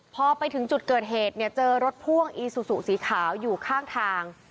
พอไปถึงจุดเกิดเหตุเนี่ยเจอรถพ่วงอีซูซูสีขาวอยู่ข้างทาง